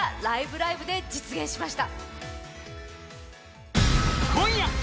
ライブ！」で実現しました。